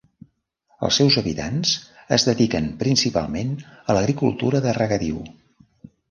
Els seus habitants es dediquen principalment a l'agricultura de regadiu.